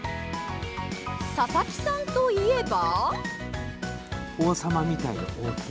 佐々木さんといえば。